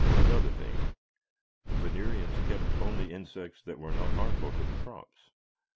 Another thing: the Venerians kept only insects that were not harmful to the crops.